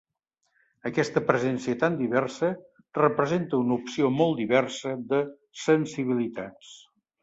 Aquesta presència tan diversa representa una opció molt diversa de sensibilitats.